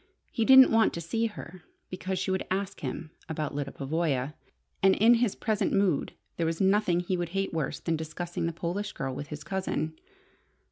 He didn't want to see her, because she would ask him about Lyda Pavoya, and in his present mood there was nothing he would hate worse than discussing the Polish girl with his cousin.